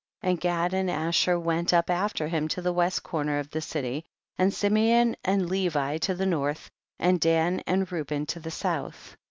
31. And Gad and Asher went up after him to the west corner of the city, and Simeon and Levi to the north, and Dan and Reuben to the south.